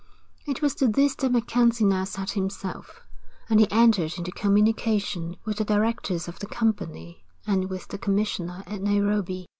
It was to this that MacKenzie now set himself; and he entered into communication with the directors of the company and with the commissioner at Nairobi.